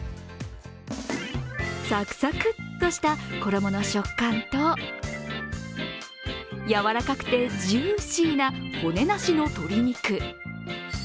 サクサクっとした衣の食感と、やわらかくてジューシーな骨なしの鶏肉。